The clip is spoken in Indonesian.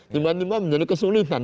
tiba tiba menjadi kesulitan